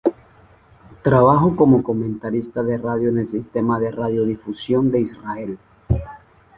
Trabajó como comentarista de radio en el sistema de radiodifusión de Israel.